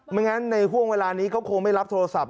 ไม่งั้นในห่วงเวลานี้เขาคงไม่รับโทรศัพท์